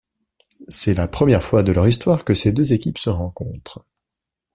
C'est la première fois de leur histoire que ces deux équipes se rencontrent.